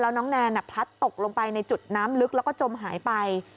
น้องแนนพลัดตกลงไปในจุดน้ำลึกแล้วก็จมหายไป